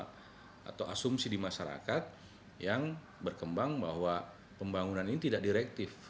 jadi masyarakat yang berkembang bahwa pembangunan ini tidak direktif